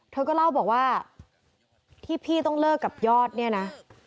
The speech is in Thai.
เธอก็เล่าบอกว่าที่พี่ต้องเลิกกับยอดเนี่ยนะ